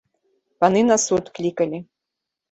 Паны на суд клікалі.